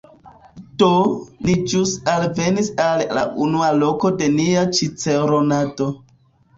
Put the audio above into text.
Do, ni ĵus alvenis al la unua loko de nia ĉiceronado